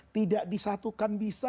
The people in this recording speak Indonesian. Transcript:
tidak disatukan oleh allah